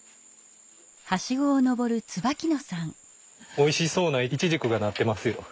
おいしそうなイチジクがなってますよ。